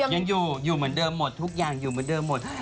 ยังอยู่อยู่เหมือนเดิมหมดทุกอย่างอยู่เหมือนเดิมหมด